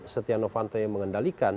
setia novanto yang mengendalikan